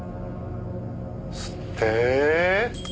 吸って。